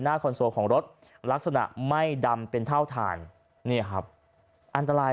คอนโซลของรถลักษณะไม่ดำเป็นเท่าฐานเนี่ยครับอันตราย